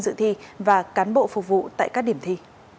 dự thi và cán bộ phục vụ tại các điểm thi